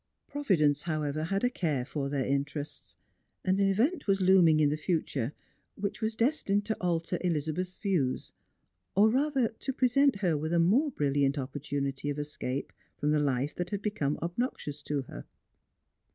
Providence, however, had a care for their interests ; and an event was looming in the future which was destined to alter Elizabeth's views, or rather to present her with a more bi'illiant opportunity of escape from the life that had become obnoxious to her.